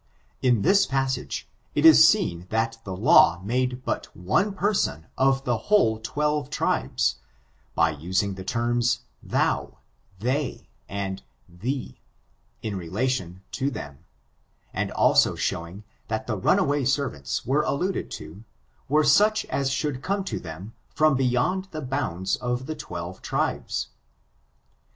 In this passage, it is seen that the law made but one person of the whole twelve tribes, by using the terms, thou, they and thee, in relation to them, and also showing that the runaway servants there alluded to, were such as should come to them from beyond the bounds of the twelve tribes.